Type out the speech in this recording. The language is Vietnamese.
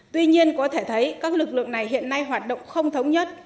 tuy nhiên có thể thấy các lực lượng này hiện nay hoạt động không thống nhất